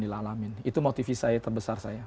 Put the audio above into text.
di alamin itu motivasi saya terbesar